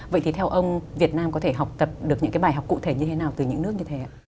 việt nam có thể học tập được những bài học cụ thể như thế nào từ những nước như thế